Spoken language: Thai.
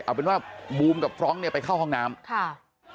เอาเป็นว่าบูมกับฟรองก์เนี่ยไปเข้าห้องน้ำค่ะ